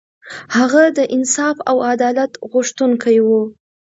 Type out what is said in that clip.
هغه د انصاف او عدالت غوښتونکی و.